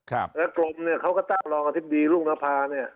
แล้วกรมเนี่ยเขาก็ตั้งรองอธิบดีรุ่งนภาเนี่ย